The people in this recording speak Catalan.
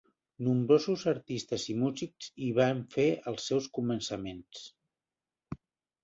Nombrosos artistes i músics hi van fer els seus començaments.